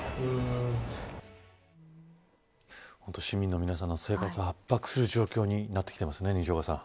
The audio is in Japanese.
市民の皆さんの生活を圧迫する状況になってきてますね。